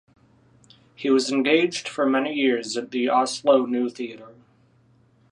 He was engaged for many years at the Oslo New Theater.